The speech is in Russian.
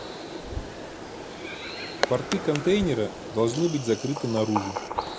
Порты контейнера должны быть закрыты наружу